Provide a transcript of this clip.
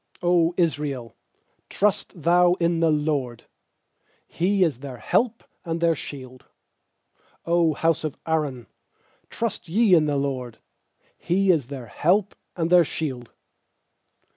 90 Israel, trust thou in the LORD! He is their help and their shield! 100 house of Aaron, trust ye in the LORD! He is their help and their shield!